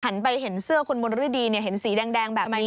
หันไปเห็นเสื้อคุณมณฤดีเนี่ยเห็นสีแดงแบบนี้